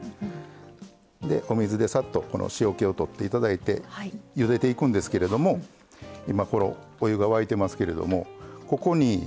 でお水でさっとこの塩気を取っていただいてゆでていくんですけれども今このお湯が沸いてますけれどもここにお塩。